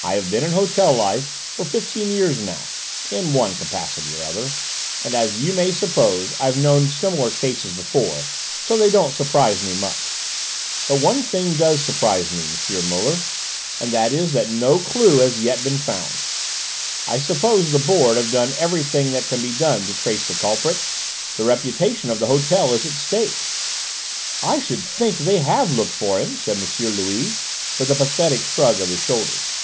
"I've been in hotel life for fifteen years now, in one capacity or another, and, as you may suppose, I've known similar cases before, so they don't surprise me much. But one thing does surprise me, M. Muller, and that is that no clue has yet been found. I suppose the Board have done everything that can be done to trace the culprit? The reputation of the hotel is at stake." "I should think they have looked for him!" said M. Louis, with a pathetic shrug of his shoulders.